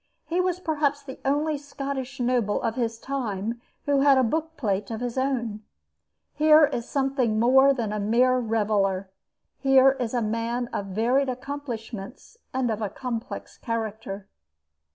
He was perhaps the only Scottish noble of his time who had a book plate of his own. Here is something more than a mere reveler. Here is a man of varied accomplishments and of a complex character.